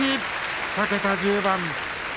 ２桁１０番。